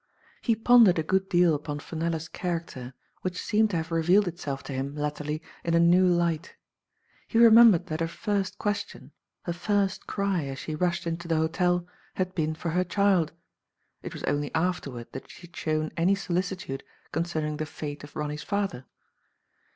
He pondered a good deal upon Fenella*s character, which seemed to have revealed itself to him latterly in a new light. He remembered that her first question, her first cry, as she rushed into the hotel, had been for her child. It was only afterward that she had shown any solicitude concerning the fate of Ronny's father.